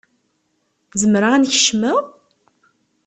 Zemreɣ ad n-kecmeɣ?